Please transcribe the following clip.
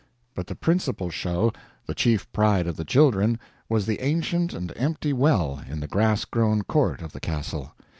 But the principal show, the chief pride of the children, was the ancient and empty well in the grass grown court of the castle.